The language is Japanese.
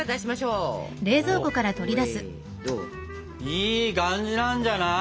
いい感じなんじゃない？